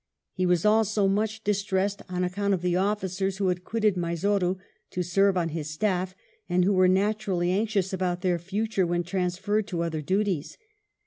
He was also much distressed on account of the officers who had quitted Mysore to serve on his staff, and who were naturally anxious about their future when transferred to other duties.